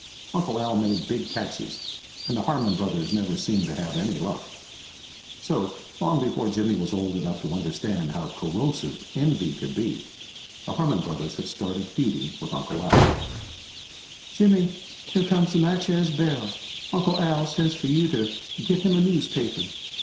Uncle Al made big catches and the Harmon brothers never seemed to have any luck. So, long before Jimmy was old enough to understand how corrosive envy could be the Harmon brothers had started feuding with Uncle Al. "Jimmy, here comes the Natchez Belle! Uncle Al says for you to get him a newspaper.